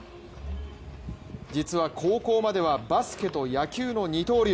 実は高校まではバスケと野球の二刀流。